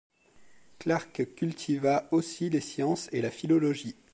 Clarke cultiva aussi les sciences et la philologie.